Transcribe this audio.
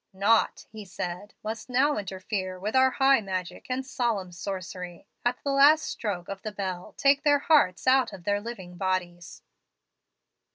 "'Naught,' he said, 'must now interfere with our high magic and solemn sorcery. At the last stroke of the bell take their hearts out of their living bodies.'